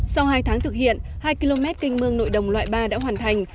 sau hai tháng thực hiện hai km canh mương nội đồng loại ba đã hoàn thành